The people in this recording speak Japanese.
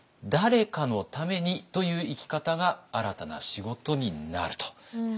誰かのためにという生き方が新たな仕事になると。